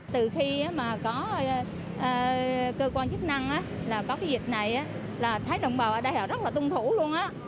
từ khi mà có cơ quan chức năng là có cái dịch này là thấy đồng bào ở đây họ rất là tuân thủ luôn